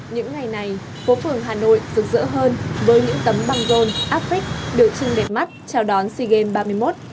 những ngày này phố phường hà nội rực rỡ hơn với những tấm băng rôn áp phích biểu trưng đẹp mắt chào đón sea games ba mươi một